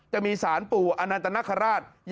จะมีสารปู่อนันตนคราช